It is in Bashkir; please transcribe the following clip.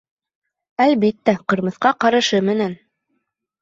Әлбиттә, ҡырмыҫҡа ҡарышы менән.